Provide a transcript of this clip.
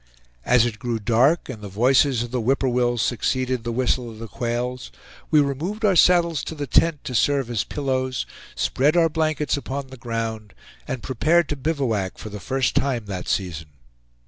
As it grew dark, and the voices of the whip poor wills succeeded the whistle of the quails, we removed our saddles to the tent, to serve as pillows, spread our blankets upon the ground, and prepared to bivouac for the first time that season.